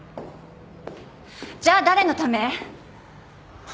じゃあ誰のため？